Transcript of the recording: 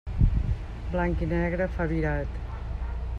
Blanc i negre, fa virat.